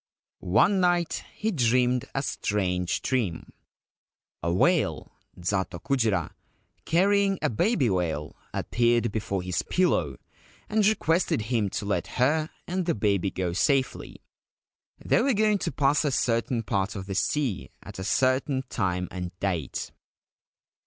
One night he dreamed a strange dream. A whale (zato kujira), carrying a baby whale, appeared before his pillow, and requested him to let her and the baby go safely — they were going to pass a certain part of the sea at a certain time and date.